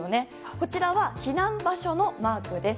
こちらは避難場所のマークです。